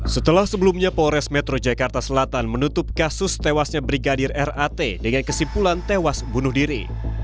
setelah sebelumnya polres metro jakarta selatan menutup kasus tewasnya brigadir rat dengan kesimpulan tewas bunuh diri